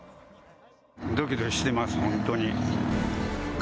どきどきしてます、本当に。